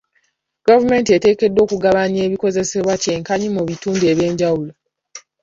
Gavumenti eteekeddwa okugabanya ebikozesebwa kye nkanyi mu bitundu eby'enjawulo.